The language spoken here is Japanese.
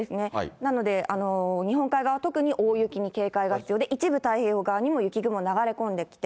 なので、日本海側特に大雪に警戒が必要で、一部太平洋側にも雪雲流れ込んできて。